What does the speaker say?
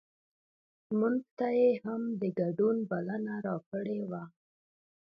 مونږ ته یې هم د ګډون بلنه راکړې وه.